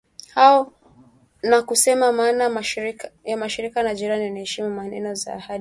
hao na kusema maana ya ushirikiano na jirani aiyeheshimu maneno na ahadi zake